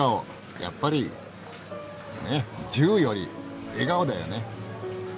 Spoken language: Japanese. やっぱりねえ銃より笑顔だよね。